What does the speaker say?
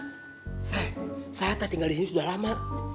hei saya teh tinggal di sini sudah lama